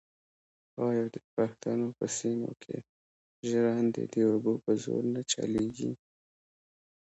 آیا د پښتنو په سیمو کې ژرندې د اوبو په زور نه چلېږي؟